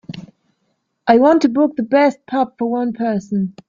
I want to book the best pub for one person.